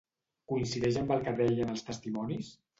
Coincideix amb el que deien els testimonis?